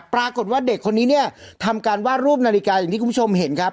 ปรากฏว่าเด็กคนนี้เนี่ยทำการวาดรูปนาฬิกาอย่างที่คุณผู้ชมเห็นครับ